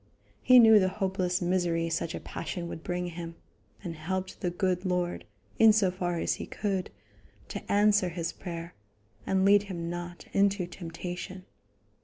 He knew the hopeless misery such a passion would bring him, and helped the good Lord, in so far as he could, to answer his prayer, and lead him not into temptation.